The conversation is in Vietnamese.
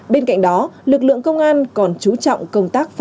bên cạnh đó lực lượng công an còn trú trọng công tác